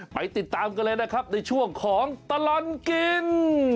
ไปติดตามกันเลยนะครับในช่วงของตลอดกิน